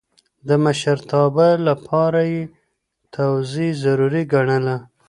د مشرتابه لپاره يې تواضع ضروري ګڼله.